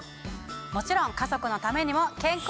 もちろん家族のためにも。